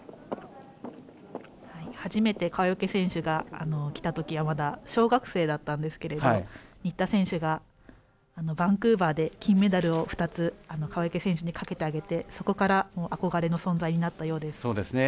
初めて川除選手が来たときはまだ、小学生だったんですけれど新田選手がバンクーバーで金メダルを２つ川除選手にかけてあげてそこから憧れの存在になったようです。